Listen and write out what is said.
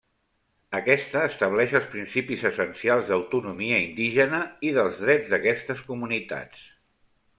Aquesta estableix els principis essencials d'autonomia indígena i dels drets d'aquestes comunitats.